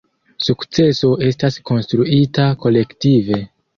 Sukceso estas konstruita kolektive.